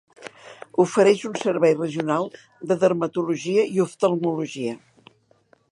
Ofereix un servei regional de dermatologia i oftalmologia.